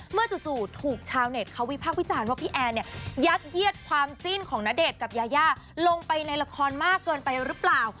จู่ถูกชาวเน็ตเขาวิพากษ์วิจารณ์ว่าพี่แอนเนี่ยยัดเยียดความจิ้นของณเดชน์กับยายาลงไปในละครมากเกินไปหรือเปล่า